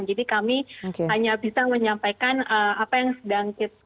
jadi kami hanya bisa menyampaikan apa yang sedang kita